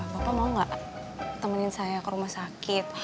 bisa nggak temenin saya ke rumah sakit